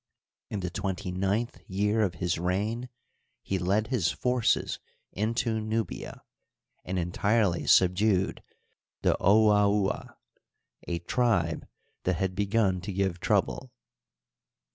In the twenty ninth year of his reign he led his forces into Nubia, and entirely subdued the Ouaoua — ^a tribe that had begun to give trouble.